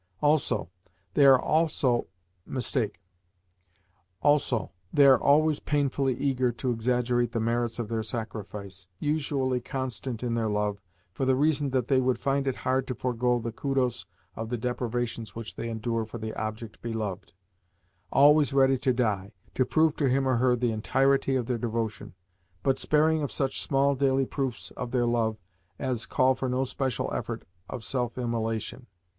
Also, they are always painfully eager to exaggerate the merits of their sacrifice; usually constant in their love, for the reason that they would find it hard to forego the kudos of the deprivations which they endure for the object beloved; always ready to die, to prove to him or to her the entirety of their devotion; but sparing of such small daily proofs of their love as call for no special effort of self immolation.